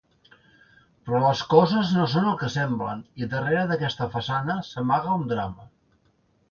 Però les coses no són el que semblen, i darrere d'aquesta façana s'amaga un drama.